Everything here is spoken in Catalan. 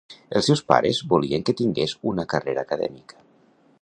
Els seus pares volien que tingués una carrera acadèmica.